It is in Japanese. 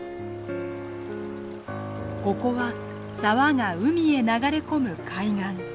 ここは沢が海へ流れ込む海岸。